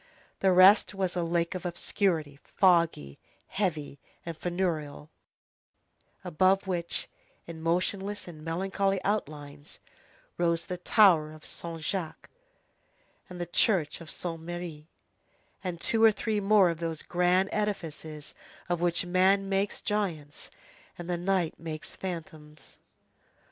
The rest was a lake of obscurity, foggy, heavy, and funereal, above which, in motionless and melancholy outlines, rose the tower of Saint Jacques, the church of Saint Merry, and two or three more of those grand edifices of which man makes giants and the night makes phantoms.